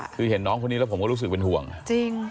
คือเห็นน้องคนนี้แล้วผมก็รู้สึกเป็นห่วงจริง